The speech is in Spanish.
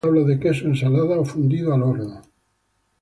Suele servirse en tablas de quesos, ensaladas o fundido al horno.